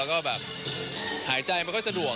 แล้วก็แบบหายใจไม่ค่อยสะดวก